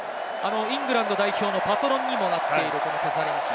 イングランド代表のパトロンにもなっているキャサリン妃。